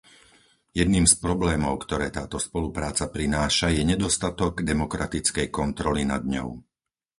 Jedným z problémov, ktoré táto spolupráca prináša je nedostatok demokratickej kontroly nad ňou.